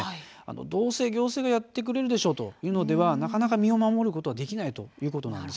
どうせ行政がやってくれるでしょというのではなかなか身を守ることはできないということなんです。